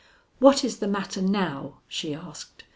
"What is the matter now?" she asked.